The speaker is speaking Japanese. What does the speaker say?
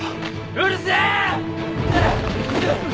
うるせえ！